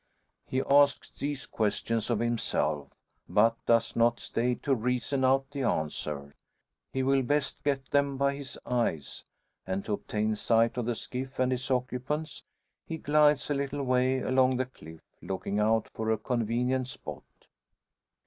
He asks these questions of himself, but does not stay to reason out the answers. He will best get them by his eyes; and to obtain sight of the skiff and its occupants, he glides a little way along the cliff, looking out for a convenient spot.